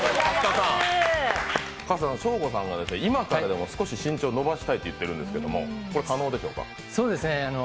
ショーゴさんが今からでも少し身長を伸ばしたいと言ってるんですけど、可能ですか？